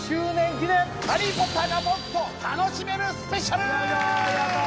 記念ハリー・ポッターがもっと楽しめるスペシャルー！